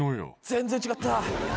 全然違った。